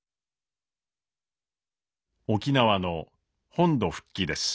沖縄の本土復帰です。